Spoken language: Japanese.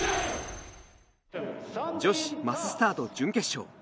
女子マススタート準決勝。